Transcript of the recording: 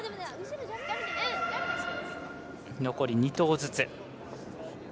残り２投ずつ。